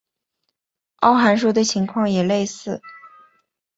凹函数的情况也类似。